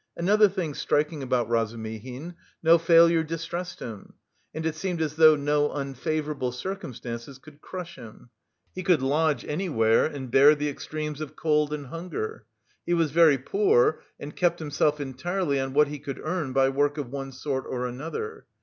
Another thing striking about Razumihin, no failure distressed him, and it seemed as though no unfavourable circumstances could crush him. He could lodge anywhere, and bear the extremes of cold and hunger. He was very poor, and kept himself entirely on what he could earn by work of one sort or another.